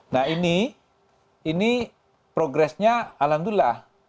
nah ini progresnya alhamdulillah